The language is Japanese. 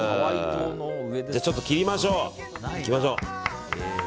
ではちょっと切りましょう。